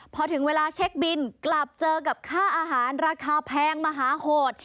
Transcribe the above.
พอถึงเวลาเช็คบินกลับเจอกับค่าอาหารราคาแพงมหาโหด